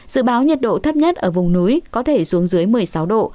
dự báo nhiệt độ thấp nhất ở vùng núi có thể xuống dưới một mươi sáu độ